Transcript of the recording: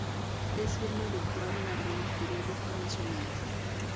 Es firma habitual en algunos periódicos nacionales.